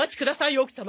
奥様。